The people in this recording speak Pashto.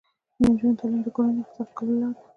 د نجونو تعلیم د کورنۍ اقتصاد ښه کولو لاره ده.